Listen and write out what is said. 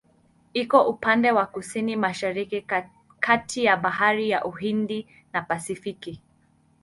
Iko upande wa Kusini-Mashariki kati ya Bahari ya Uhindi na Pasifiki.